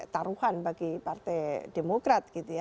taruhan bagi partai demokrat